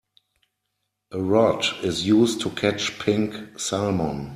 A rod is used to catch pink salmon.